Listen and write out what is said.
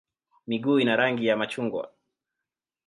Miguu ina rangi ya machungwa.